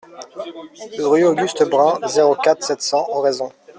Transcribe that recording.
Rue Auguste Brun, zéro quatre, sept cents Oraison